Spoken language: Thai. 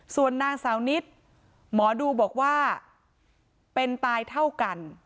ส่วนนางสาวนิดหมอดูบอกว่าเป็นตายเท่ากัน